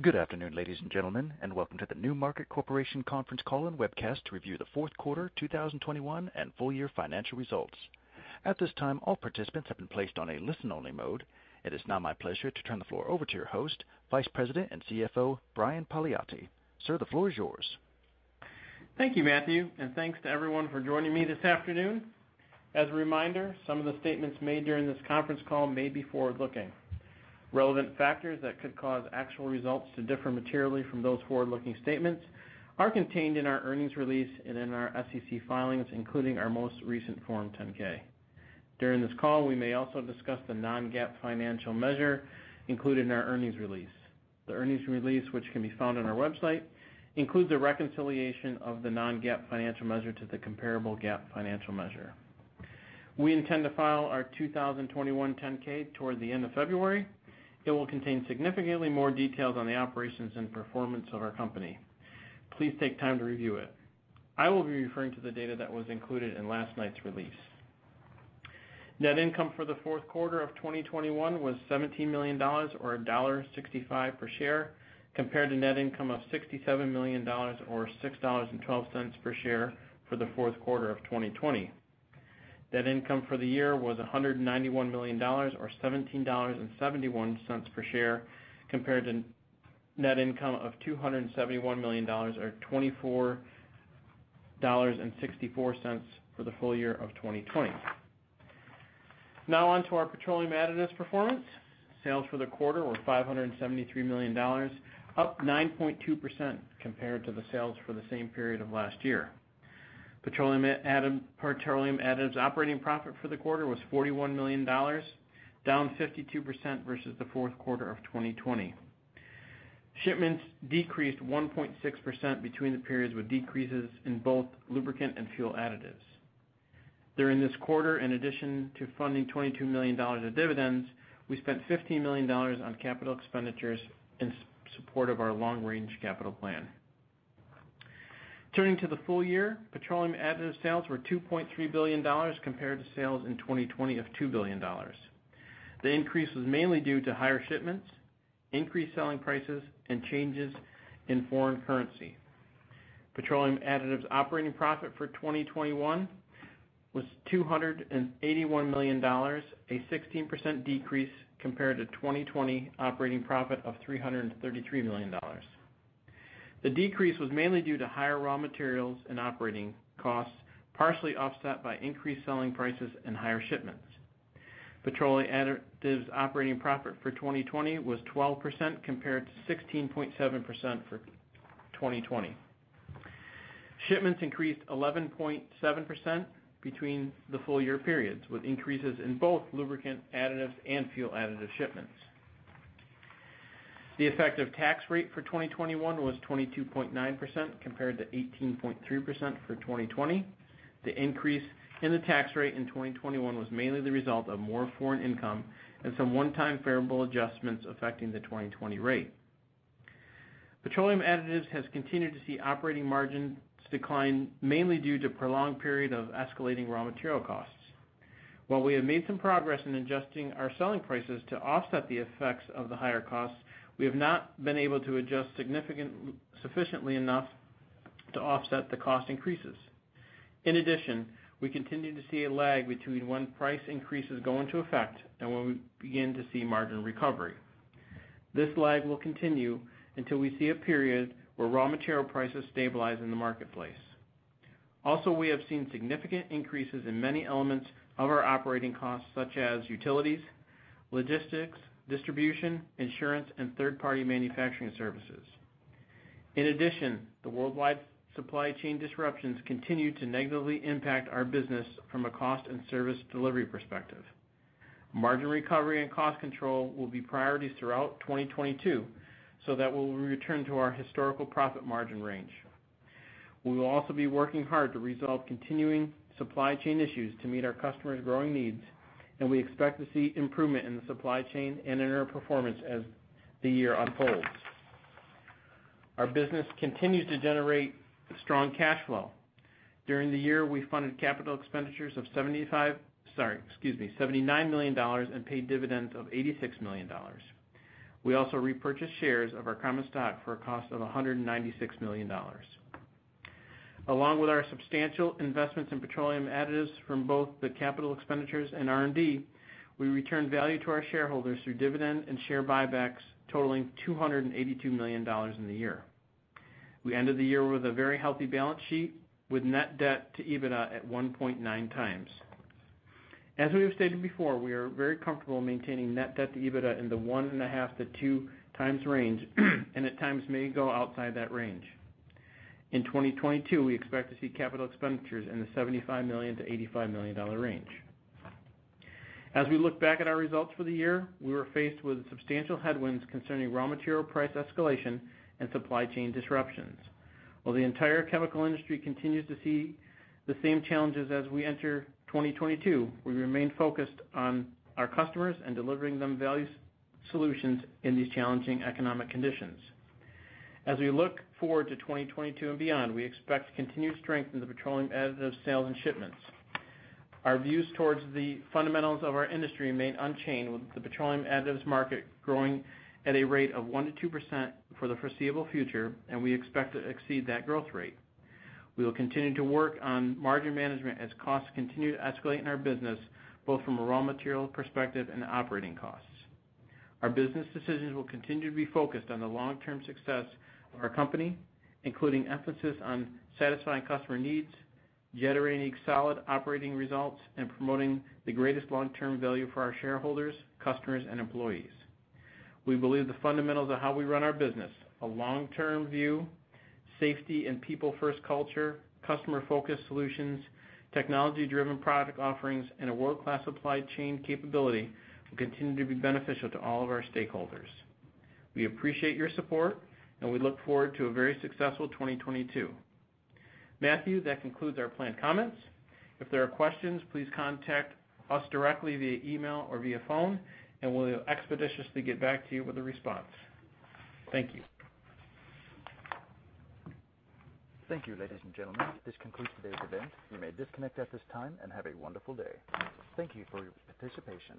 Good afternoon, ladies and gentlemen, and welcome to the NewMarket Corporation conference call and webcast to review the fourth quarter, 2021 and full year financial results. At this time, all participants have been placed on a listen-only mode. It is now my pleasure to turn the floor over to your host, Vice President and CFO, Brian Paliotti. Sir, the floor is yours. Thank you, Matthew, and thanks to everyone for joining me this afternoon. As a reminder, some of the statements made during this conference call may be forward-looking. Relevant factors that could cause actual results to differ materially from those forward-looking statements are contained in our earnings release and in our SEC filings, including our most recent Form 10-K. During this call, we may also discuss the non-GAAP financial measure included in our earnings release. The earnings release, which can be found on our website, includes a reconciliation of the non-GAAP financial measure to the comparable GAAP financial measure. We intend to file our 2021 10-K toward the end of February. It will contain significantly more details on the operations and performance of our company. Please take time to review it. I will be referring to the data that was included in last night's release. Net income for the fourth quarter of 2021 was $17 million or $1.65 per share, compared to net income of $67 million or $6.12 per share for the fourth quarter of 2020. Net income for the year was $191 million or $17.71 per share compared to net income of $271 million or $24.64 for the full year of 2020. Now on to our petroleum additives performance. Sales for the quarter were $573 million, up 9.2% compared to the sales for the same period of last year. Petroleum additives operating profit for the quarter was $41 million, down 52% versus the fourth quarter of 2020. Shipments decreased 1.6% between the periods with decreases in both lubricant and fuel additives. During this quarter, in addition to funding $22 million of dividends, we spent $15 million on capital expenditures in support of our long range capital plan. Turning to the full year, petroleum additive sales were $2.3 billion compared to sales in 2020 of $2 billion. The increase was mainly due to higher shipments, increased selling prices, and changes in foreign currency. Petroleum additives operating profit for 2021 was $281 million, a 16% decrease compared to 2020 operating profit of $333 million. The decrease was mainly due to higher raw materials and operating costs, partially offset by increased selling prices and higher shipments. Petroleum additives operating profit for 2020 was 12% compared to 16.7% for 2020. Shipments increased 11.7% between the full year periods, with increases in both lubricant additives and fuel additive shipments. The effective tax rate for 2021 was 22.9% compared to 18.3% for 2020. The increase in the tax rate in 2021 was mainly the result of more foreign income and some one-time favorable adjustments affecting the 2020 rate. Petroleum additives has continued to see operating margins decline, mainly due to prolonged period of escalating raw material costs. While we have made some progress in adjusting our selling prices to offset the effects of the higher costs, we have not been able to adjust sufficiently enough to offset the cost increases. In addition, we continue to see a lag between when price increases go into effect and when we begin to see margin recovery. This lag will continue until we see a period where raw material prices stabilize in the marketplace. Also, we have seen significant increases in many elements of our operating costs, such as utilities, logistics, distribution, insurance, and third-party manufacturing services. In addition, the worldwide supply chain disruptions continue to negatively impact our business from a cost and service delivery perspective. Margin recovery and cost control will be priorities throughout 2022, so that we'll return to our historical profit margin range. We will also be working hard to resolve continuing supply chain issues to meet our customers' growing needs, and we expect to see improvement in the supply chain and in our performance as the year unfolds. Our business continues to generate strong cash flow. During the year, we funded capital expenditures of $79 million and paid dividends of $86 million. We also repurchased shares of our common stock for a cost of $196 million. Along with our substantial investments in petroleum additives from both the capital expenditures and R&D, we returned value to our shareholders through dividend and share buybacks totaling $282 million in the year. We ended the year with a very healthy balance sheet with Net Debt to EBITDA at 1.9x. As we have stated before, we are very comfortable maintaining Net Debt to EBITDA in the 1.5x-2x range and at times may go outside that range. In 2022, we expect to see capital expenditures in the $75 million-$85 million range. As we look back at our results for the year, we were faced with substantial headwinds concerning raw material price escalation and supply chain disruptions. While the entire chemical industry continues to see the same challenges as we enter 2022, we remain focused on our customers and delivering them value solutions in these challenging economic conditions. As we look forward to 2022 and beyond, we expect to continue to strengthen the petroleum additives sales and shipments. Our views towards the fundamentals of our industry remain unchanged, with the petroleum additives market growing at a rate of 1%-2% for the foreseeable future, and we expect to exceed that growth rate. We will continue to work on margin management as costs continue to escalate in our business, both from a raw material perspective and operating costs. Our business decisions will continue to be focused on the long term success of our company, including emphasis on satisfying customer needs, generating solid operating results, and promoting the greatest long term value for our shareholders, customers, and employees. We believe the fundamentals of how we run our business, a long term view, safety and people first culture, customer focused solutions, technology driven product offerings, and a world class supply chain capability will continue to be beneficial to all of our stakeholders. We appreciate your support and we look forward to a very successful 2022. Matthew, that concludes our planned comments. If there are questions, please contact us directly via email or via phone and we'll expeditiously get back to you with a response. Thank you. Thank you, ladies and gentlemen. This concludes today's event. You may disconnect at this time and have a wonderful day. Thank you for your participation.